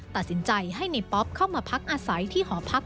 ตัดสินใจให้ในป๊อปเข้ามาพักอาศัยที่หอพัก